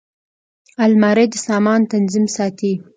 الماري د سامان تنظیم ساتي